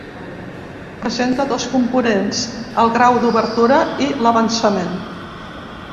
Presenta dos components: el grau d'obertura i l'avançament.